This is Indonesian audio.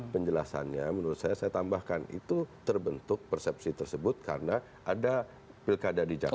penjelasannya menurut saya saya tambahkan itu terbentuk persepsi tersebut karena ada pilkada di jawa